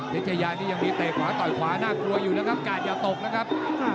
ชายานี่ยังมีเตะขวาต่อยขวาน่ากลัวอยู่นะครับกาดอย่าตกนะครับ